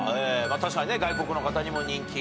確かに外国の方にも人気。